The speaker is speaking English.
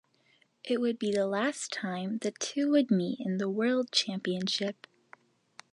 It would be the last time the two would meet in the World Championship.